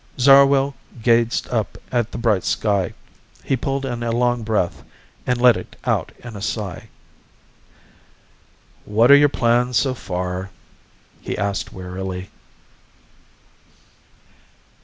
Zarwell gazed up at the bright sky. He pulled in a long breath, and let it out in a sigh. "What are your plans so far?" he asked wearily.